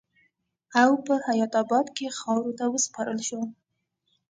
او پۀ حيات اباد کښې خاورو ته وسپارل شو